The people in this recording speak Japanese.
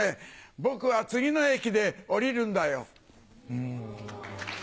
僕は次の駅で降りるんだよ。